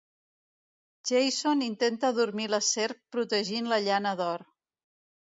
Jason intenta dormir la serp protegint la llana d'or.